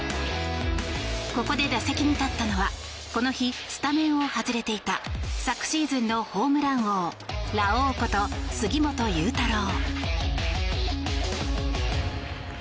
ここで打席に立ったのはこの日、スタメンを外れていた昨シーズンのホームラン王ラオウこと杉本裕太郎。